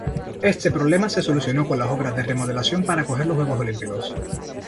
Este problema se solucionó con las obras de remodelación para acoger los Juegos Olímpicos.